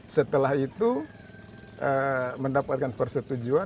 setelah itu mendapatkan persetujuan